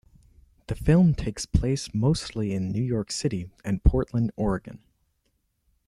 The film takes place mostly in New York City and Portland, Oregon.